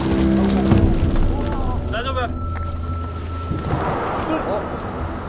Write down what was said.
大丈夫！？